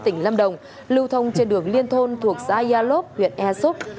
tỉnh lâm đồng lưu thông trên đường liên thôn thuộc xã yalop huyện ea súp